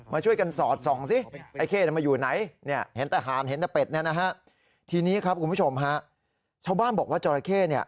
มาช่วยกันโสดส่องซิไอ้เข้มันมาอยู่ไหนนะฮะ